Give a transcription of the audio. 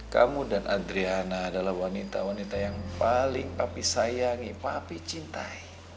kamu dan adriana adalah wanita wanita yang paling papi sayangi papi cintai